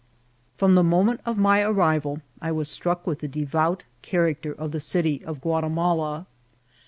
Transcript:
From the moment of my arrival I was struck with the deroot character of the city of Guatimala.